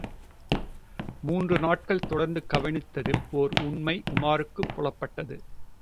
மூன்று நாட்கள் தொடர்ந்து கவனித்ததில் ஓர் உண்மை உமாருக்குப் புலப்பட்டது.